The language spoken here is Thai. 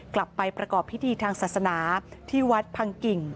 กลับไปประกอบพิธีทางศาสนาที่วัดพังกิ่ง